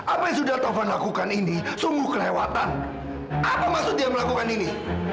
apa yang sudah taufan lakukan ini sungguh kelewatan apa maksud dia melakukan ini